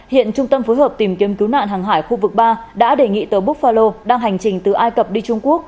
hiện trung tâm phối hợp tìm kiếm cứu nạn hàng hải khu vực ba đã đề nghị tàu buk pharo đang hành trình từ ai cập đi trung quốc